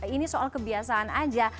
ini soal kebiasaan saja